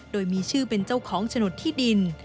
โดยมีชื่อเป็นเจ้าของฉนดที่ดิน